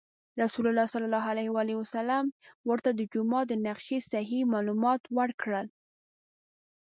رسول الله صلی الله علیه وسلم ورته د جومات د نقشې صحیح معلومات ورکړل.